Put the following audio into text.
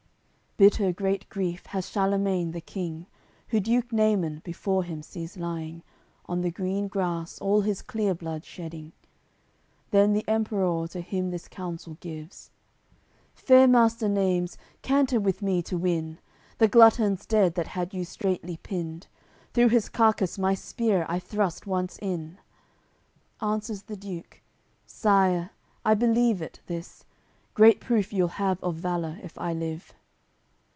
CCL Bitter great grief has Charlemagne the King, Who Duke Naimun before him sees lying, On the green grass all his clear blood shedding. Then the Emperour to him this counsel gives: "Fair master Naimes, canter with me to win! The glutton's dead, that had you straitly pinned; Through his carcass my spear I thrust once in." Answers the Duke: "Sire, I believe it, this. Great proof you'll have of valour, if I live."